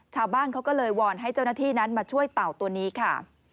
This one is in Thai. ชาวบ้านเขาก็เลยวอนให้เจ้าหน้าที่นั้นมาช่วยเต่าตัวนี้ค่ะ